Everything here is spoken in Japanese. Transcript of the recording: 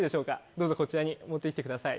どうぞこちらに持って来てください。